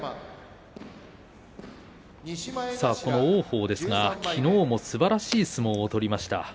王鵬ですが、きのうもすばらしい相撲を取りました。